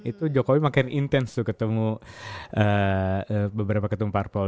itu jokowi makin intens tuh ketemu beberapa ketumpar pol